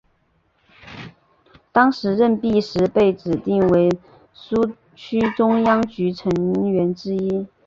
当时任弼时被指定为苏区中央局成员之一。